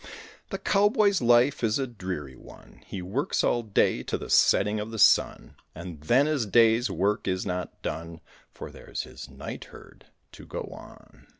The cowboy's life is a dreary one, He works all day to the setting of the sun; And then his day's work is not done, For there's his night herd to go on.